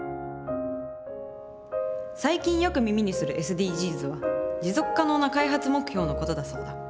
最近よく耳にする「ＳＤＧｓ」は持続可能な開発目標のことだそうだ。